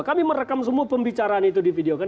kami merekam semua pembicaraan itu di video kan